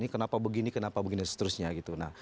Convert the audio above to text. kenapa begini kenapa begini dan seterusnya gitu